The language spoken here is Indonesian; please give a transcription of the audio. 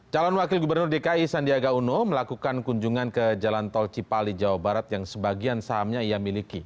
calon wakil gubernur dki sandiaga uno melakukan kunjungan ke jalan tol cipali jawa barat yang sebagian sahamnya ia miliki